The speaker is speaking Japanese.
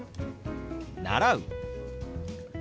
「習う」。